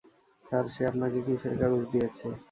Sir, সে আপনাকে কীসের কাগজ দিয়েছে?